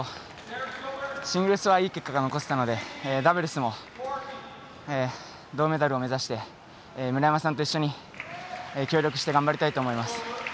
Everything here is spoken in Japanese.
シングルスはいい結果が残せたのでダブルスも銅メダルを目指して村山さんと一緒に協力して頑張りたいと思います。